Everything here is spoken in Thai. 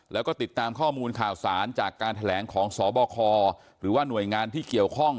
แล้วก็ติดตามข้อมูลข่าวสารจากการแถลงของสบคหรือว่าหน่วยงานที่เกี่ยวข้อง